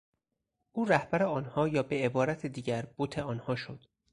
او رهبر آنها یا به عبارت دیگر بت آنها شد.